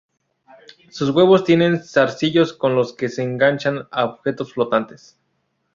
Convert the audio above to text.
Sus huevos tienen zarcillos con los que se enganchan a objetos flotantes.